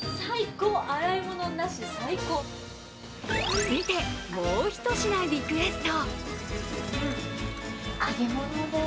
続いて、もう１品リクエスト。